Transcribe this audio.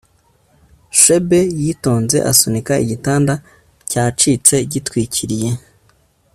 chebet yitonze asunika igitanda cyacitse gitwikiriye